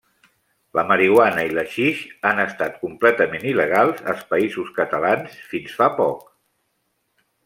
La marihuana i l'haixix han estat completament il·legals, als Països Catalans, fins fa poc.